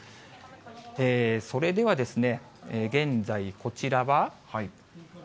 それでは、現在、こちらは。